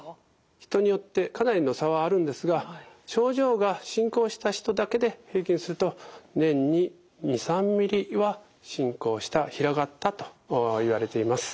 人によってかなりの差はあるんですが症状が進行した人だけで平均すると年に２３ミリは進行した広がったといわれています。